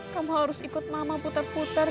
kamu harus ikut mama puter puter